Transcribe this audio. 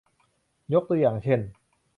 ยกตัวอย่างเช่น